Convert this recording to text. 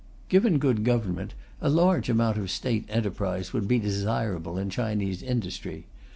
Given good government, a large amount of State enterprise would be desirable in Chinese industry.